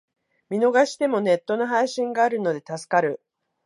見逃してもネット配信があるので助かる